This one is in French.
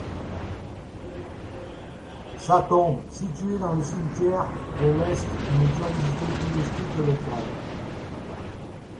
Sa tombe, située dans le cimetière de l', est une curiosité touristique locale.